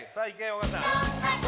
尾形